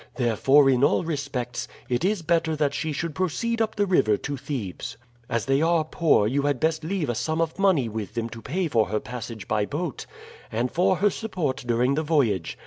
Therefore, in all respects it is better that she should proceed up the river to Thebes. "As they are poor you had best leave a sum of money with them to pay for her passage by boat, and for her support during the voyage.